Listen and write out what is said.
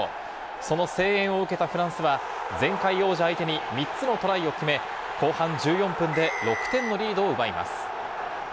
その声援を受けたフランスは前回王者相手に３つのトライを決め、後半１４分で６点のリードを奪います。